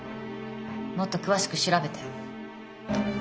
もっと詳しく調べて。